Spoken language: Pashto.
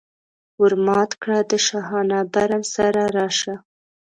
ور مات کړه د شاهانه برم سره راشه.